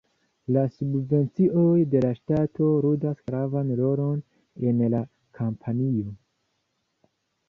La subvencioj de la ŝtato ludas gravan rolon en la kampanjo.